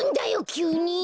きゅうに！